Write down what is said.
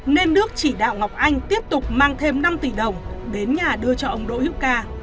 nên đức chỉ đạo ngọc anh tiếp tục mang thêm năm tỷ đồng đến nhà đưa cho ông đỗ hữu ca